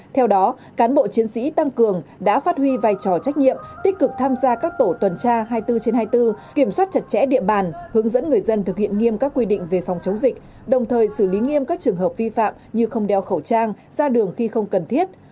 theo đó cán bộ chiến sĩ tăng cường đã phát huy vai trò trách nhiệm tích cực tham gia các tổ tuần tra hai mươi bốn trên hai mươi bốn kiểm soát chặt chẽ địa bàn hướng dẫn người dân thực hiện nghiêm các quy định về phòng chống dịch đồng thời xử lý nghiêm các trường hợp vi phạm như không đeo khẩu trang ra đường khi không cần thiết